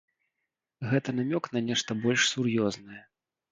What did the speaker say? Гэта намёк на нешта больш сур'ёзнае.